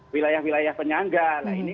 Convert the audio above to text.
wilayah wilayah penyangga nah ini